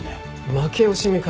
負け惜しみかよ。